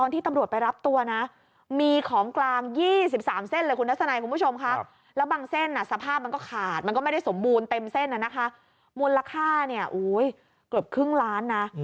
แต่มันก็ไม่ได้สมบูรณ์เต็มเส้นน่ะนะคะมูลค่าเนี่ยโอ้ยกลับครึ่งล้านนะ